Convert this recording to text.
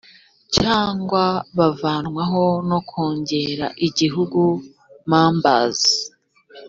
cyangwa bavanyweho na kongere y igihugu members